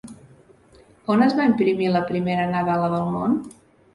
On es va imprimir la primera nadala del món?